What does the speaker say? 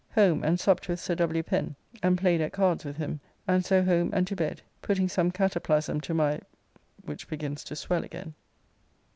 Home and supped with Sir W. Pen and played at cards with him, and so home and to bed, putting some cataplasm to my.... which begins to swell again.